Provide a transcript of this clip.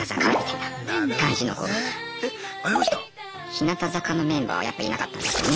日向坂のメンバーはやっぱいなかったですよね。